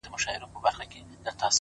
گرانه په دغه سي حشر كي جــادو،